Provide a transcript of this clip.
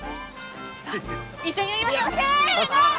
さあ一緒にやりましょうせの！